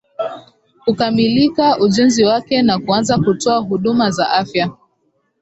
kukamilika ujenzi wake na kuanza kutoa huduma za afya